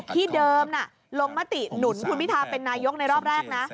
ที่เดิมลงมติหนุนคุณพิทาเป็นนายกในรอบแรกนะ